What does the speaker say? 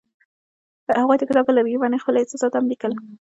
هغوی د کتاب پر لرګي باندې خپل احساسات هم لیکل.